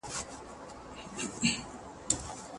د سياست په ډګر کي بې هدفه پرواز مه کوئ.